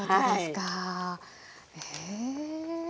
へえ。